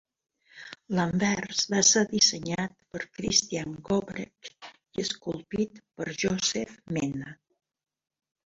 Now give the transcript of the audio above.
L'anvers va ser dissenyat per Christian Gobrecht i esculpit per Joseph Menna.